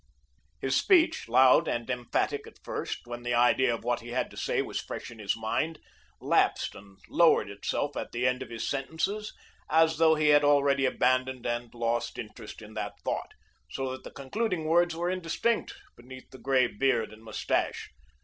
His speech, loud and emphatic at first, when the idea of what he had to say was fresh in his mind, lapsed and lowered itself at the end of his sentences as though he had already abandoned and lost interest in that thought, so that the concluding words were indistinct, beneath the grey beard and mustache.